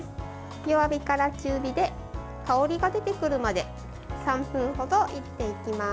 弱火から中火で香りが出てくるまで３分ほど煎っていきます。